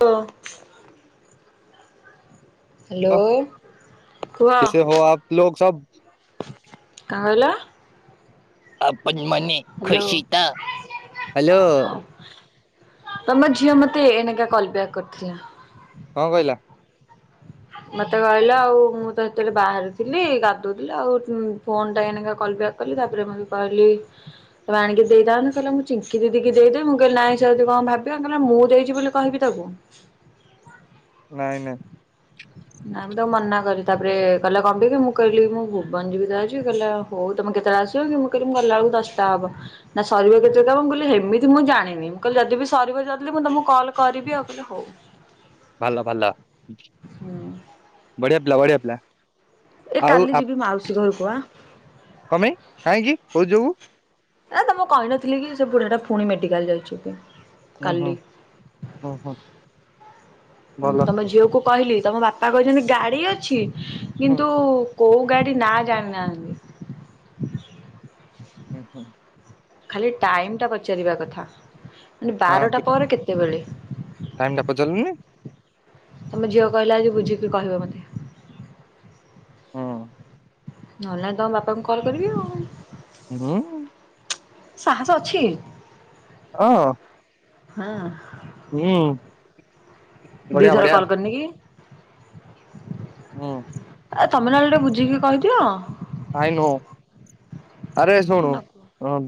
ହଁ। ଓ ହ୍ୟାଲୋ କୁହ କଣ କହିଲ? ଆପଣ ମାନେ ହ୍ୟାଲୋ ଖୁସି ତ ହାଲୋ। ତମ ଝିଅ ମତେ ଏନେକା କଲ୍ ବ୍ୟାକ୍ କରିଥିଲା। କଣ କହିଲା? ମତେ କହିଲା ଆଉ ମୁଁ ତ ସେତେବେଳେ ବାହାରିଥିଲି ଗାଧଉଥିଲି ଆଉ ଉ ଫୋନ୍ ଟା ଏନେକା କଲ୍ ବ୍ୟାକ୍ କଲି ତାପରେ ମୁଁ କହିଲି ତବେ ଆଣିକି ଦେଇଥାଆନ୍ତି କହିଲା ମୁଁ ଚିଙ୍କି ଦିଦିକି ଦେଇଦେବି, ମୁଁ କହିଲ ନାହିଁ ସେ ଯଦି କଣ ଭାବିବେ? କଇଲା ମୁଁ ଦେଇଚି ବୋଲି କହିବି ଦବୁ। ନାଇଁ, ନାଇଁ। ନାଇଁ ମୁଁ ତାକୁ ମନା କଲି। ତା'ପରେ କହିଲା କଁ ପେକି? ମୁଁ କହିଲି ମୁଁ ଭୁବନ ଯିବି ତ ଆଜି, କହିଲା ଆଉ ହଉ ତମେ କେତଳେ ଆସିବ କି? ମୁଁ କହିଲି, ମୁଁ ଗଲାଅଳକୁ ଦଶଟା ହବ। ନା ସରିବ କେତେ କାମ? ମୁଁ କହିଲି ହେମିତି ମୁଁ ଜାଣିନି। ମୁଁ କହିଲି ଯଦି ବି ସରିବ ଜଲ୍ ଦି ମୁଁ ତମକୁ କଲ୍ କରିବି ଆଉ। ହେଲେ ହଉ। ଭଲ ଭଲ, ହୁଁ ବଢିଆ ପିଲା, ବଢିଆ ପିଲା। ଏ ଆଉ କାଲି ଆପ୍, ଯିବି ମାଉସୀ ଘରକୁ ଆ। କଣପାଇଁ, କାହିଁକି, କୋଉଥ୍ ଯୋଗୁ? ଏ ତମକୁ କହିନଥିଲି କି? ସେ ବୁଢାଟା ଫୁଣି ମେଡିକାଲ୍ ଯାଇଛିକି। ଉଁ ହୁଁ, ହୁଁ, ହୁଁ। ଭଲ ତମ ଝିଅକୁ କହିଲି, ତମ ବାପା କହିଛନ୍ତି ଗାଡ଼ି ଅଛି ହୁଁ କିନ୍ତୁ କଉ ଗାଡ଼ି ନାଁ ଜାଣିନାହାଁନ୍ତି? ଉ ହୁଁ। ଖାଲି ଟାଇମ୍ଟା ପଚାରିବା କଥା। ମାନେ ହଁ ବାରଟା ତୁ ପରେ କେତେବେଳେ? ଟାଇମ ଟା ପଚାରିଲୁନି ତମ ଝିଅ କହିଲା ଆଜି ବୁଝିକି କହିବ ମୋତେ। ହୁଁ ନହେଲ, ନାଇଁ ତମ ବାପାଙ୍କୁ କଲ କରିବି ଆଉଁ। [unintelligible] ସାହସ ଅଛି। ଅଁ। ହଁ। ହୁଁ। ବଢିଆ ଦିଥର ବଢିଆ କଲ୍ କରିନି କି? ହୁଁ। ଆ ତମେ ନହେଲେ ଟିକେ ବୁଝିକି କହିଦିଅଁ? ଆାଇ ନୋ, ଆରେ ଶୁଣୁ ନ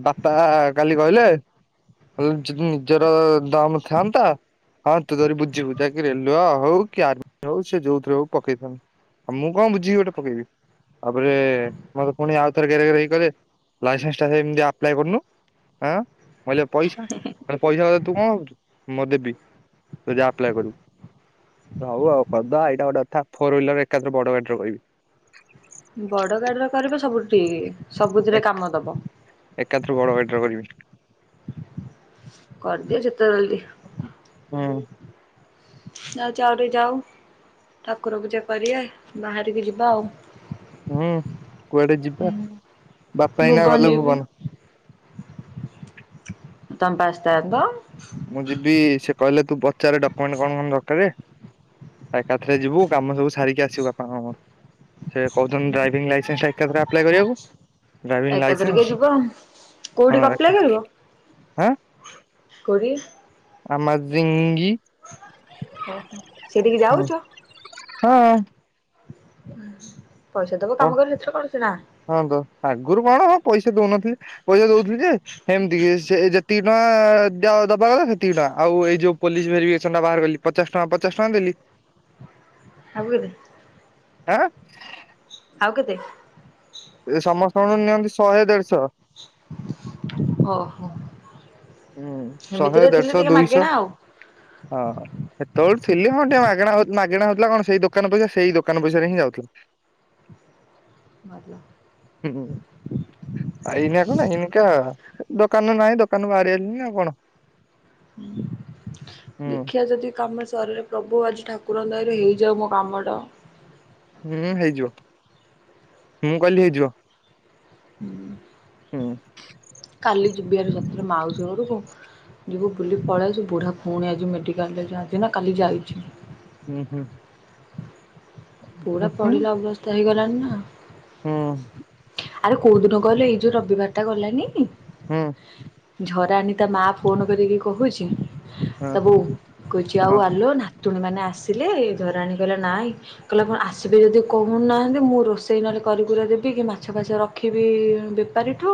ବାପା କାଲି କହିଲେ ଯଦ୍ ନିଜର ଦମ୍ ଥାଆନ୍ତା। ହଁ, ତୁ ଧରି ବୁଝିବୁ। ଯାକି ରେଲୱ ହଉ କି, ଆର୍ମି ହଉ ସେ ଯୋଉଥିରେ ହଉ ପକେଇଥାନ୍ତ୍। ମୁଁ କଣ ବୁଝିକି ଗୋଟେ ପକେଇବି? ଆଉ ଫେରେ ମତେ ପୁଣି ଆଉଥରେ ଗରେ ଗେରେ ହେଇ କହିଲେ, ଲାଇସେନ୍ସ ଟା ସେମିତି ଆପ୍ଲାଏ କରନୁ। ଆଁ ମୁଁ କହିଲ ପଇସା! କହିଲେ ପଇସା କଥା ତୁ କଣ ଭାବୁଛୁ? ମୁଁ ଦେବି। ତୁ ଯା, ଆପ୍ଲାଏ କରିବୁ। ହଉ ଆଉ କର୍ ଦଆ, ଏଇଟା ଗୋଟେ କଥା! ଫୋର୍ ହୁଇଲର୍ ରେ ଏକାଥରେ ବଡ଼ ଗାଡିର କରିବି। ବଡ ଗାଡିର କରିବ ସବୁଠୁ ଠିକି। ସବୁଥିରେ କାମ ଦବ। ଏକାଥରେ ବଡ ଗାଡିର କରିବି କରଦିଅ ଯେତେ ଅଲ୍ ଦି। ହୁଁ। ଯାଉଚି ଆଉଟିକେ ଯାଉ, ଠାକୁର ପୂଜା କରିଆ, ବାହାରିକି ଯିବା ଆଉ। ହୁଁ, କୁଆଡେ ଯିବା? ବାପା ଏଇନା ଭୁବନ ଗଲେ ଯିବି। ଭୁବନ। ତମେ ପା ଆସ୍ ଥାଆନ୍ତ? ମୁଁ ଯିବି ସେ କହିଲେ, ତୁ ପଚାରେ, ଡକୁମେଣ୍ଟ କଣ କଣ ଦରକାରେ? ଏକାଥରେ ଯିବୁ, କାମ ସବୁ ସାରିକି ଆସିବୁ ବାପାଙ୍କର ମୋର। ସେ କହୁଛନ୍ତି ଡ୍ରାଇଭିଂ ଲାଇସେନ୍ସ ଟା ଏକାଥରେ ଆପ୍ଲାଏ କରିଆକୁ। ଡ୍ରାଇଭିଂ ଏକାଥରକେ ଲାଇସେନ୍ସ ଯିବ ଆଉ। ହଁ କୋଉଠି କି ଏକା ଅପ୍ଳାଏ କରିବ? ଆଁ! କୋଉଠି ଆମଜିଙ୍ଗୀ ଓହୋ ସେ ଟିକେ ଯାଉଛ ହଁ ପଇସା ତବ କାମ କର ଭିତରେ କରୁଛି ନା ହଁ ତ ଆଗରୁ କଣ ହଁ ପଇସା ଦଉନଥିଲି ପଇସା ଦଉଥିଲି ଯେ ସେମିତି କି ସେ ଯେତିକି ଟଙ୍କା ଦ ଦବା କଥା ସେତିକି ଟଙ୍କା ଆଉ ଏଇ ଯୋଉ ପୋଲିସ ଭେରିଫିକେସନ ଟା ବାହାର କଲି ପଚାଶ ଟଙ୍କା ପଚାଶ ଟଙ୍କା ଦେଲି ଆଉରେ ହଁ ଆଉ କେତେ ଏ ସମସ୍ତଙ୍କଠୁ ନିଅନ୍ତି ଶହେ ଦେଢଶହ ଓ ହୋ ହୁଁ ଶହେ ଦେଢଶହ ଦୁଇଶହ ମାଗେଣା ଆଉ ହଁ ଏତେବେଳୁ ଥିଲି ହଁ ଟିକେ ମାଗଣା ମାଗେଣା ହଉଥିଲା କଣ ସେଇ ଦୋକାନ ପଇସା ସେଇ ଦୋକାନ ପଇସାରେ ହିଁ ଯାଉଥିଲା [unintelligible] ହୁଁ ଆଇନିଆ କ ଇନକା ଦୋକାନ ନାଇଁ ଦୋକାନରୁ ବାହାରି ତୁ ନା ଆଉ କଣ ହ ହୁଁ। ଦେଖିବା ଯଦି କାମ ସରରେ ପ୍ରଭୁ ଆଜି ଠାକୁର ଦୟରେ ହେଇଯାଉ ମ ବାମଡ଼ ହୁଁ ହେଇଯିବ ମୁଁ କହିଲି ହେଇଯିବ ହୁଁ ହୁଁ କାଲି ଯିବିରେ ଯତଳେ ମାଉସି ଘରକୁ ଯିବୁ ବୁଲି ପଳାଇ ସେ ବୁଢ଼ା ପୁଣି ଆଜି ମେଡ଼ିକାଲରେ ଯ ଆଜି ନା କାଲି ଯାଇଛି ହୁଁ ହୁଁ ପୁରା ହୁଁ ହୁଁ ପଡିଲା ଅବସ୍ଥା ହେଇଗଲାଣି ନା ହୁଁ ଆରେ କୋଉ ଦିନ ଗଲେ ଏଇ ଯୋଉ ରବିବାର ଟା ଗଲାନି ହୁଁ ଝରାଣୀ ତା ମା ଫୋନ କରିକି କହୁଛି ହଁ ତା ବୋଉ କହୁଛି ଆଉ ହଁ ଆଲୋ ନାତୁଣୀ ମାନେ ଆସିଲେ ଧରାଣୀ କହିଲା ନାଇଁ କହିଲେ ଆସିବେ ଯଦି କହୁନାହାନ୍ତି ମୁଁ ରୋଷେଇ ନହଲେ କରିିକୁରା ଦେବି କି ମାଛ ଫାଛ ରଖ ରଖିବି ବେପାରୀଠୁ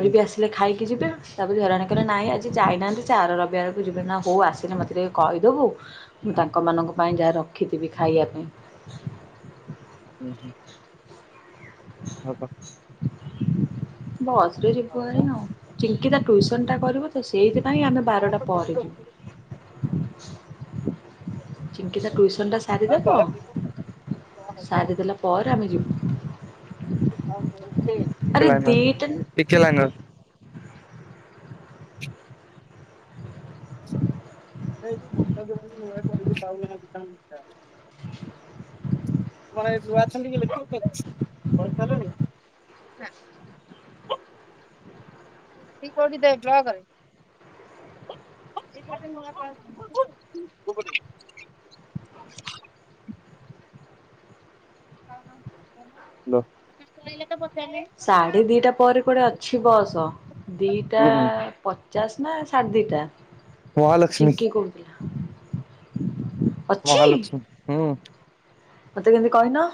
ହୁଁ ଆସିଲେ ଖାଇକି ଯିବେ ତାପରେ ଝରାଣୀ କହିଲା ନାହିଁ ଆଜି ଯାଇନାହାନ୍ତି ସେ ଆର ରବିବାରକୁ ଯିବେ ନା ହଉ ଆସିଲେ ମତେ ଟିକେ କହିଦେବୁ ମୁଁ ତାଙ୍କମାନଙ୍କ ପାଇଁ ଯାହା ରଖିଥିବି ଖାଇବା ପାଇଁ ହୁଁ ହୁଁ ହଁ ହ ବସ୍ରରେ ଯିବୁ ଆଣି ଆଉ ଚିଙ୍କି ତା ଟ୍ୟୁସନ୍ଟା କରିବୁ ତ ସେଇଥିପାଇଁ ଆମେ ବାରଟା ପରେ ଯିବୁ ଚିଙ୍କିତା ଟୁଇସନ ଟା ସାରିଦବ ସାରିଦେଲା ପରେ ଆମେ ଯିବୁ ଆରେ ଟିକେ ଲାଇନ୍ ରେ ଦିଟା ଟିକେ ଟିକେ ଲାଇନ୍ ରେ ସେଇ ଯୋଉ ଭକ୍ତବ୍ୟ କରିବି ପାଉ ମାନେ ନୂଆ ଅଛନ୍ତି କି ଲଖ ପଇସା ହେଲାଣି [unintelligible] [unintelligible] [unintelligible] ସାଢେ ଦିଟା ପରେ ପଢେ ଅଛି ବସ। ଦିଟା ଉଁ ପ ଚାଷ ନା ସାଢ଼ ଦିଇଟା ମହାଲକ୍ଷ୍ମୀ କହୁଥିଲା ଅଛି ମହାଲକ୍ଷ୍ମୀ ହୁଁ ମତେ କେମତି କହିନ?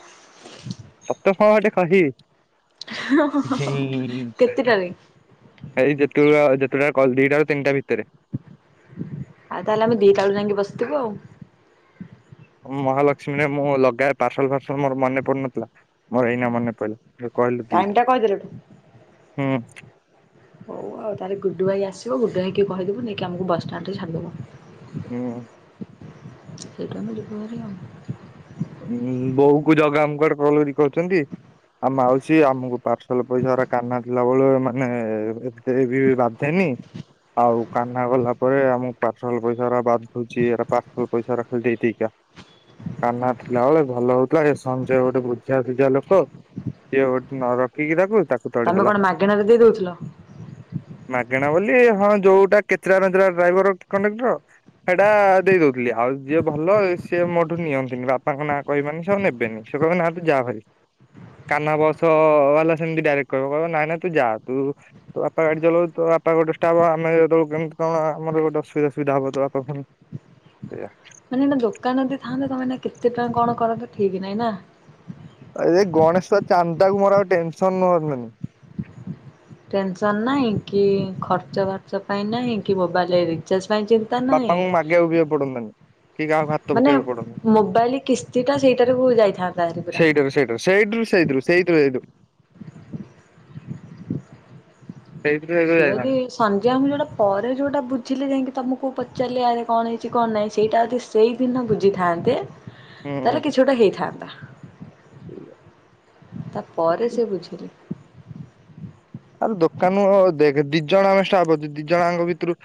ତତେ କ'ଣ କଟେ ଗଟେ କହିବି ହୁଁ। କେତେଟାରେ? ଏଇ ଯେତେବେଳ ଯେତୁଟା କହିବୁ ଦିଟାରୁ ତିନିଟା ଭିତରେ। ଆଉ ତାହେଲେ ଆମେ ଦିଟା ବେଳ ଯାଇକ ବସିଥିବୁ ଆଉ। ମହାଲକ୍ଷ୍ମୀରେ ମୁଁ ଲଗାଏ ପାର୍ସଲ ଫାର୍ସଲ ମୋର ମନେ ପଡୁନଥିଲା ମୋର ଏଇନା ମନେ ପଡିଲା। କହିଲ ଟାଇମ ଦିଇଟା ଟା କହିଦେଲଠୁ ହୁଁ। ହଉ ଆଉ ତାହେ ଗୁଡୁ ଭାଇ ଆସିବ ଗୁଡୁ ଭାଇକି କହିଦବୁ ନେଇକି ଆମକୁ ବସ ଷ୍ଟାଣ୍ଡ ରେ ହୁଁ। ଛାଡିଦବ। ସେଇଟୁ ଆମେ ଯିବୁ ଭାରି ଆଉ। ଉ ବୋଉ କୁ ଜଗ ଆମୁଁ [unintelligible] କରୁଛନ୍ତି। ଆ ମାଉସୀ ଆମକୁ ପାର୍ସଲ ପଇସା ଉରା କାହ୍ନା ଥିଲା ବେଳେ ମାନେ ସେ ବି ବାଧେନି ଆଉ କାହ୍ନା ଗଲା ପରେ ଆମକୁ ପାର୍ସଲ ପଇସା ଉରା ବାଧୁଚି ଏରା ପାର୍ସଲ ପଇସା ଖାଲି ଦେଇ ଦେଇେକା। କାହ୍ନା ଥିଲା ବଳେ ଭଲ ହଉଥିଲା, ଏ ସଞ୍ଜୟ ଗୋଟେ ବୁଝା ସୁଝା ଲୋକ। ସିଏ ଗୋଟେ ନ ରଖିକି ତାକୁ ତାକୁ ତମେ ତଡ଼ିଦେଲା। କଣ ମାଗେଣା ରେ ଦେଇ ଦଉଥିଲ? ମାଗେଣା ବୋଲି ହଁ ଯୋଉଟା କେଚେରା ନାଗାରା ଡ୍ରାଇଭର, କଣ୍ଡକ୍ଟର ସେଇଟା ଦେଇ ଦଉଥିଲି। ଆଉ ଯିଏ ଭଲ ସିଏ ମୋଠୁ ନିଅନ୍ତିନି ବାପ ପାଙ୍କ ନାଁ କହିବି ମାନେ ସେ ଆଉ ନେବେନି ସେ କହିବେ ନା ତୁ ଯାଭାରି କାନ୍ନା ବସବାଲା ସେମିତି ଡାଇରେକ୍ଟ କହିବ ନାଇଁ ନାଇଁ ତୁ ଯା ତୁ ତୋବାପା ଗାଡି ଚଲଉଚି ତୋବାପା ଗୋଟେ ଷ୍ଟାଫ, ଆମେ ବଳକୁ କେମିତି କଣ ଆମର ଗୋଟେ ଅସୁବିଧ ସୁବିଧାବ ବାପାଫୁଣି ସେଇଆ ମାନେ ଏଇନା ଦୋକାନ ଥାନ୍ତା ତମେ ଏଇନା କେତେ ଟଙ୍କା କଣ କରନ୍ତ ଠିକ ନାଇଁ ନା। ଏ ଗଣେଶ ପୂଜା ଚାନ୍ଦାକୁ ମୋର ଆଉ ଟେନସନ। [unintelligible] ଟେନସନ ନାହିଁ କି ଖର୍ଚ୍ଚ ଫାର୍ଚ୍ଚ ପାଇଁ ନାହିଁ କି ମୋବାଇଲ ରିଚାର୍ଜ ପାଇଁ ଚି ବାପାଙ୍କୁ ମାଗିବାକୁବି ଆଉ ପଡନ୍ତାନି। କି କାହାକୁ ହାତ ମାନେ ପକେଇବାକୁ ପଡନ୍ତାନି ମୋବାଇଲ କିସ୍ତିଟା ସେଇଟାରୁ ଉ ଯାଇଥାନ୍ତା ହାରି ପୁରା। ସେଇଟିରୁ ସେଇତିରୁ ସେଇତିରୁ ସେଇତୁ ସେଇଥିରୁ ସେଇଥିରୁ ସିଏ ଯଦି ଯାଇଥାନ୍ତି ସଞ୍ଯୟ ମୁଁ ଯେଉଁଟା ପରେ ଯେଉଁଟା ବୁଝିଲେ ଯାଇକି ତମକୁ ପଚାରିଲେ ଆରେ କଣ ହେଇଚି କଣ ନାହିଁ, ସେଇଟା ଯଦି ସେଇଦିନ ବୁଝିଥାନ୍ତେ ହୁଁ। ତାହେଲେ କିଛି ଗୋଟେ ହେଇଥାନ୍ତା। ତାପରେ ସେ ବୁଝିଲେ। ଆରେ ଦୋକାନ ଦି ଜଣ ଆମେ ଷ୍ଟାପ ଅଛୁ ଦିଜଣଙ୍କ ଭିତରୁ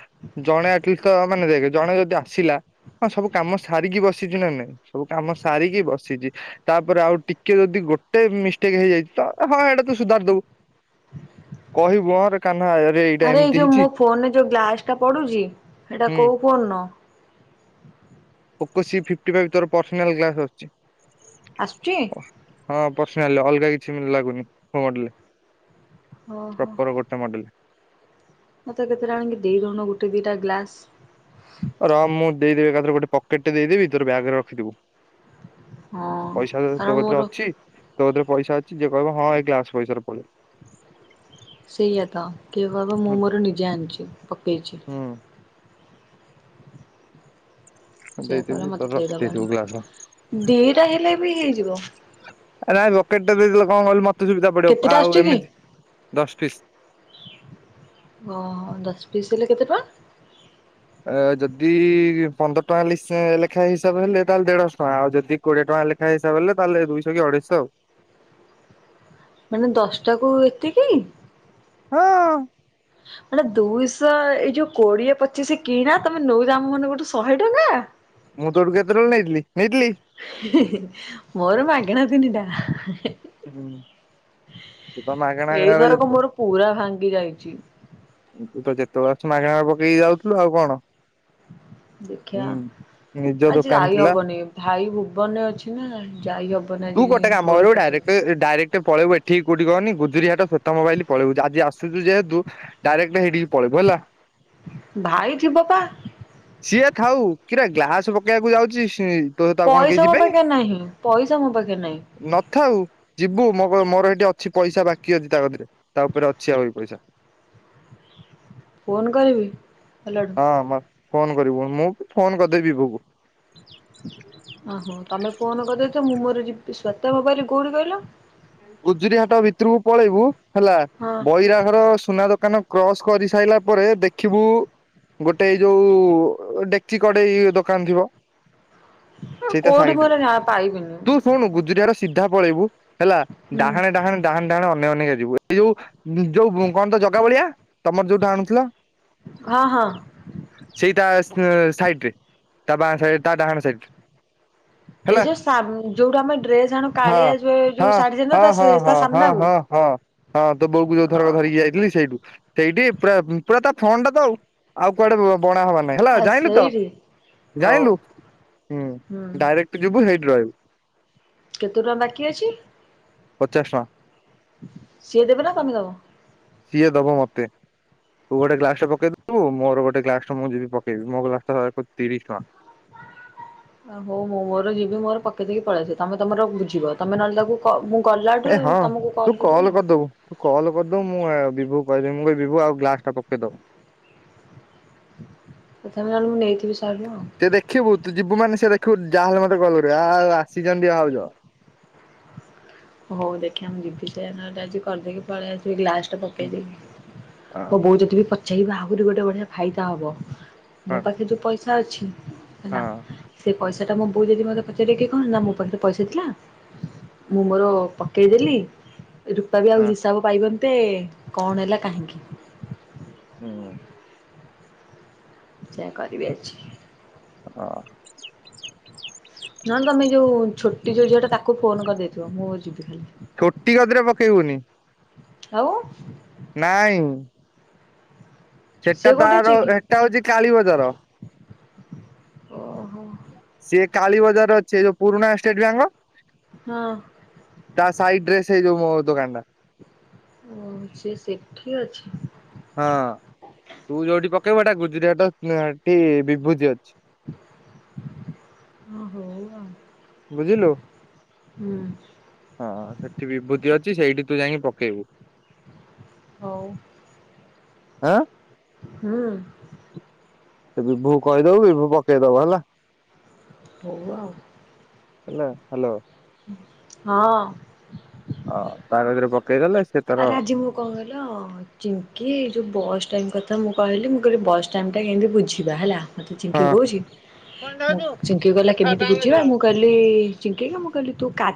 ଜଣେ ଆଟଲିଷ୍ଟ ମାନେ ଦେଖେ ଜଣେ ଯଦି ଆସିଲା ହଁ ସବୁ କାମ ସାରିକି ବସିଚିନାନାଇଁ ସବୁ କାମ ସାରିକି ବସିଚି। ତାପରେ ଆଉ ଟିକେ ଯଦି ଗୋଟେ ମିଷ୍ଟେକ୍ ହେଇଯାଇଛିତ ହଁ ଏଇଟା ତୁ ସୁଧାରିଦବୁ। କହିବୁ ମୋର କାନ୍ନା ଆଇ ଆରେ ଏଇ ଯୋଉ ମୋ ଫୋନ ରେ ଯୋଉ ଗ୍ଲାସଟା ପଡୁଚି ସେଇଟା ହୁଁ କୋଉ ଫୋନର? ଓପ ସି ଫିପ୍ଟି ଫାଇଭ ତୋର ପର୍ସନାଲ ଗ୍ଲାସ ଅଛି। ଆସୁଛି ହଁ ପର୍ସନାଲ ଅଲଗା କିଛିବି ଲାଗୁନିି ମୋ ମଡେଲ ଓହୋ ପପର ଗୋ ତା ମଡେଲ ମତେ କେତେ ଜଣ କଇଟି ଜଣ ଗୋଟେ ଦିଟା ଗ୍ଲାସ୍, ର ମୁଁ ଦେଇଦେବି ଏକାଥରେ ଗୋଟେ ପକେଟେ ଦେଇେଦେବି ତୋର ବ୍ୟାଗରେ ରଖିଥିବୁ, ହଁ। ପଇସା କାରଣ ତୋ ମୋର କତିରେ ଅଛି? ତୋକଥିରେ ପଇସା ଅଛି ଯିଏ କହିବ ହଁ ଏ ଗ୍ଲାସ୍ ପଇସାରେ ପଳେଇ, ସେଇଆ ତ କିଏ କହିବ ମୁଁ ହୁଁ ମୋର ନିଜେ ଆଣିଛି ପକେଇଛି, ହୁଁ ସେଇୟା କହିବ ଦେଇଦେବି ମତେ ତୋର ଦେଇଦବ ରଖିଦେଇଥିବୁ ଗ୍ଲାସ ଆଣିକି ଦିଟା ହେଲେବି ହେଇଯିବ, ଆରେ ନାଇଁ ବକେଟ ଟା ଦେଇଦେଲେ କଁ କହିଲୁ ମତେ ସୁବିଧା ପଡ଼ିବ କେତେଟା ଆଉ ଏମିତି ଦଶ ଫିସ୍, ଓ ହୋ ଦଶ ପିସ୍ ହେଲେ କେତେ ଟଙ୍କା? ଅ ଯଦି ପନ୍ଦର ଟଙ୍କା ହେଲେ ହିସା ଲେଖା ହେଇ ହିସାବ ହେଲେ ତାହେଲେ ଦେଢ଼ଶହ ଟଙ୍କା ଆଉ ଯଦି କୋଡିଏ ଟଙ୍କା ଲେଖ୍ ହେ ହିସାବଲେ ତାହେଲେ ଦୁଇଶହକି ଅଢ଼େଇଶ ଆଉ, ମାନେ ଦଶଟାକୁୁ ଏତିକି? ହଁ, ମାନେ ଦୁଇଶହ ଏଇ ଯୋଉ କୋଡ଼ିଏ ପଚିଶି କିଣା ତମେ ନଉଛ ଆମ ମାନଙ୍କଠୁନଉଚ ଶହେଟଙ୍କା? ମୁଁ ତୋଠୁ କେତେ ଟଙ୍କା ନେଇଥିଲି-ନେଇଥିଲି? ହେ-ହେ ମୋର ମାଗଣା ତିନିଟା ହେ, ତୁତ ମାଗଣା ରେ ଏଇଥରକ ହେଇଯାଇଥିବ, ମୋର ପୁରା ଭାଙ୍ଗି ଯାଇଛି, ତୁତ ଯେତେବେଳେ ଆଛୁ ମାଗଣା ପକେଇକି ଯାଉଛୁ ଆଉ କଣ, ହୁଁ ଦେଖିବା, ନିଜ ଆଜି ଦୋକାନ ଯାଇ ଥିଲା ହବନି ଭାଇ ଭୁବନରେ ଅଛି ନା ଯାଇ ହବନି ଆଜି କୋଉଠି, ଡାଇରେକ୍ଟର ପକେଇବା ଏ ଡାଇରେକ୍ ଟିକେ ପଳେବୁ ଏଠି କଉଠି କହନି ଗୁଜିରି ହାଟ ଛୋଟମୋବାଇଲି ପଳେଇବୁ ଯା ଆଜି ଆସୁଛୁ ଯେହେତୁ, ଡାଇରେକ୍ଟ ହେଇଠିକି ପଳେଇବୁ ହେଲା, ଭାଇ ଯିବପା, ସିଏ ଥାଉ କିରେ ଗ୍ଲାସ୍ ରୋକେଇବାକୁ ଯାଉଛି ସିଏ, ପଇସା ମୋ ପାଖେରେ ନାହିଁ ପଇସା ମୋ ପାଖେରେ ନାହିଁ, ନଥାଉ ଯିବୁ ମୋ କ ମୋର ଏଠି ଅଛି ପଇସା ବାକି ଅଛି ତା କତିରେ ତା ଉପରେ ଅଛି ଆଉ ଏ ପଇସା, ଫୋନ୍ କରିବି ହେଲା, ହଁ ମ ଫୋନ୍ କରିବୁ ମୁଁ ଫୋନ୍ କରିଦେବି ବୁକୁ, ହଁ ହୋ ତମେ ଫୋନ୍ କରିଦେଇଛ ମୁଁ ମୋର ଯି ସ୍ଵେତା ମୋବାଇ କୋଉଠି କହିଲ? ଗୁଜୁରୀ ହାଟ ଭିତରକୁ ପଳେଇବୁ ହେଲା ହଁ ବୈରା ଘର ସୁନା ଦୋକାନ, କ୍ରସ୍ କରି ସାଇଲା ପରେ ଦେଖିବୁ, ଗୋଟେ ଯୋଉ ଡେକ୍ଚି କଡ଼େଇ ଦୋକାନ ଥିବ, ସେଇଟା କୋଉଠି ସାଇଡରେ ମୋର ନା ପାଇବିନି ତୁ ଶୁଣୁ ଗୁଜୁରିଆର ସେ ସିଧା ପଳେଇବୁ ହେଲା ହୁଁ ଡାହାଣେ-ଡାହାଣେ, ଡାହାଣେ-ଡହାଣେ ଅନେଇ-ଅନେଇ କା ଯିବୁ ଏଇ ଯୋଉ-ଯୋଉ କଣ ତ ଜଗା ଭଳିଆ, ତମର ଯୋଉଟା ଆଣୁଥିଲ, ହଁ-ହଁ, ସେଇଟା ସେ ସାଇଡ୍ ରେ ତା ବା ସାଇଡ୍ ତା ଡାହାଣ ସାଇଡ୍, ଏଇ ଯୋଉ ସାମ୍ ଯୋଉଠା ଆମେ ଡ୍ରେସ ଆଣୁ କାଳିଆ ଯୋ ଯୋଉ ଶାଢ଼ୀ, ହଁ-ହଁ-ହଁ-ହଁ-ହଁ-ହଁ, ହଁ ତୋ ବୋଉକୁ ଯୋଉ ଅ ଧର ଧରିକି ଯାଇଥିଲି ସେଇଠୁ ସେଇଠି ପୁରା-ପୁରା ତା ଫନ୍ ଟା ତ ଆଉ, ଆଉ କୁଆଡ଼େ ବ ବଣା ହବାନ୍ ନାହିଁ ହେଲା ଆ ଜାଇଁଲୁ ତ ସେଇଠି। ହଉ ଜାଇଁଲୁ ହୁଁ ହୁଁ ଡାଇରେକ୍ଟ ଯିବୁ ସେଇଠି ରହିବୁ, କେତେ ଟଙ୍କା ବାକି ଅଛି, ପଚାଷ୍ ଟଙ୍କା। ସିଏ ଦେବେନା ତମେ ଦବ? ସିଏ ଦବ ମତେ। ତୁ ଗୋଟେ ଗ୍ଲାସଟେ ପକେଇଦବୁ ମୋର ଗୋଟେ ଗ୍ଲାସଟେ ମୁଁ ଯିବି ପକେଇବି, ମୋ ଗ୍ଲାସଟା ଏକ ତିରିଶ ଟଙ୍କା। ହାଁ ହଉ ମୁଁ ମୋର ଯିବି ମୋର ପକେଇ ଦେଇକି ପଳଆସିବି ତମେ ତମର ବୁଝିବ ତମେ ନହେଲେ ତାକୁ ହଉ ମୁଁ ଗଲାଠୁ ଏ ହଁ ତୁମକୁ ତୁ କଲ୍ କରିବି ଆଉ। କରିଦବୁ ତୁ କଲ୍ କରିଦବୁ ମୁଁ ଏ ବିଭୁକୁ କହିଦେମି ମୁଁ କହିବି ବିଭୁ ଆଉ ଗ୍ଲାସଟା ପକେଇଦବୁ। ତ [unintelligible] ମୁଁ ନେଇଥିବି ଶହେ ଟଙ୍କା ଆଉ। ସେ ଦେଖିବୁ ତୁ ଯିବୁ ମାନେ ସେ ଦେଖିବୁ ଯାହାହେଲେ ମତେ କଲ୍ କରିବ ଆ ଆଉ ଆସିଛନ୍ତି ଭାଉଜ। ହଉ ଦେଖିବା ମୁଁ ଯିବି ସେୟା ନହେଲେ ଆଜି କରିଦେଇକି ପୋଳେଇ ଆସିବି ଗ୍ଲାସଟା ପକେଇଦେଇକି, ହଁ ମୋ ବୋଉ ଯଦି ବି ପ ଛେଇବା ଆହୁରି ଗୋଟେ ବଢ଼ିଆ ଫାଇଦା ହବ, ହଁ ମୋ ପାଖରେ ଯୋଉ ପଇସା ଅଛି ହେଲା ସେ ପଇସାଟା ମୋ ବୋଉ ଯଦି ମତେ ପଚାରେ କି କଣ ହେଲା ମୋ ପାଖରେ ପଇସା ଥିଲା ମୁଁ ମୋର ପକେଇଦେଲି ରୂପା ବି ଆଉ ହଁ ହିସାବ ପାଇବନ୍ତେ କଣ ହେଲା କାହିଁକି? ହୁଁ ସେୟା କରିବି ଆଜି। [unintelligible] ନହଲେ ତମେ ଏ ଯୋଉ ଛୋଟି ଯୋଉ ଝିଅଟା ତାକୁ ଫୋନ୍ କରିଦେଇଥିବ ମୁଁ ଯିବି ଖାଲି। ଛୋଟି କତିରେ ପକେଇବୁନି। ଆଉ? ନାଇଁ। ସିଏ ସେଟା କୋଉଠି ଅଛି ତାର କି? ଏଟା ହଉଛି କାଳୀ ବଜାର। ଓହୋ ସିଏ କାଳୀ ବଜାରରେ ଅଛି ଏ ଯୋଉ ପୁରୁଣା ଷ୍ଟେଟ୍ ବ୍ୟାଙ୍କ ହଁ ତା ସାଇଟ୍ ଡ୍ରେସ ସେ ଯୋଉ ମୋମୋ ଦୋକାନଟା। ଉଁ ସିଏ ସେଠି ଅଛି। ହଁ, ତୁ ଯୋଉଠି ପକେଇବୁ ଏଟା ଗୁଜୁରାଟ [unintelligible] ଣ୍ଟି ବିଭୂତି ଅଛି। ହଁ ହଉ ଆଉ। ବୁଝିଲୁ, ହୁଁ ହଁ ସେଠି ବିଭୂତି ଅଛି ସେଇଠି ତୁ ଯାଇଁକି ପକେଇବୁ। ହଉ। ଆଁ ହୁଁ ସେ ବିଭୁକୁ କହିଦବୁ ବିଭୁ ପକେଇ ଦବ ହେଲା। ହଉ ଆଉ। ହେଲା, ହାଲୋ। ହଁ ଅ ତା କତିରେ ପକେଇଦେଲେ ସେ ତାର ଆରେ ଆଜି ମୁଁ କଣ କିହିଲ ଚିଙ୍କି ଏଇ ଯୋଉ ବସ୍ ଟାଇମ୍ କଥା ମୁଁ କହିଲି ମୁଁ କହିଲି ବସ୍ ଟାଇମଟା କେମିତି ବୁଝିବା ହେଲା। ମତେ ଚିଙ୍କି ହଁ। କହୁଛି, ମୁଁ ଚିଙ୍କି କହିଲା କେମିତି ବୁଝିବା ମୁଁ କହି ଲି ଚିଙ୍କିକି ମୁ କହିଲି ତୁ କା